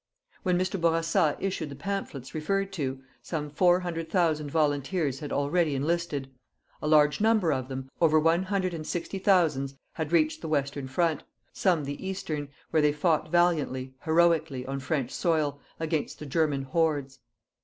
When Mr. Bourassa issued the pamphlets referred to, some four hundred thousands volunteers had already enlisted. A large number of them over one hundred and sixty thousands had reached the western front some the eastern where they fought valiantly, heroically, on French soil, against the German hordes.